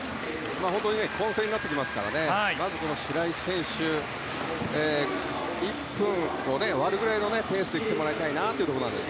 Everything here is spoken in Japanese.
混戦になってきますからまず白井選手１分を割るぐらいのペースで来てもらいたいなというところです。